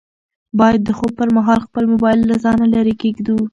باید د خوب پر مهال خپل موبایل له ځانه لیرې کېږدو.